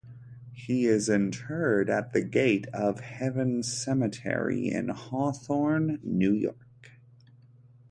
He is interred at the Gate of Heaven Cemetery in Hawthorne, New York.